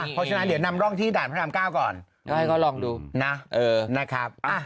เหมือนล่ะครับเอื้อเดี๋ยวนำร่องที่ดาวน์คกก่อนเอื้อนะครับ